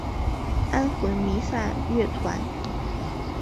安魂弥撒乐团。